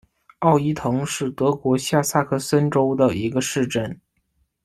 奥伊滕是德国下萨克森州的一个市镇。